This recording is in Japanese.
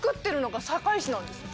なんですよ。